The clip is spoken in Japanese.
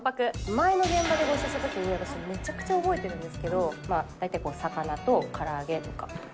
前の現場でご一緒したときに、私めちゃくちゃ覚えているんですけど、大体、魚とから揚げとかがある。